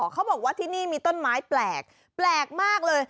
เขาบอกว่าที่นี่มีต้นไม้แปลกแปลกมากเลย